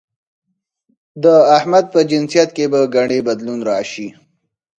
د احمد په جنسيت کې به ګنې بدلون راشي؟